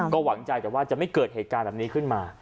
ก็หวังใจแต่ว่าจะไม่เกิดเหตุการณ์แบบนี้ขึ้นมา